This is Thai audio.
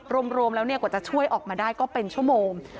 รวมแล้วกว่าจะช่วยออกมาได้ก็เป็นชั่วโมง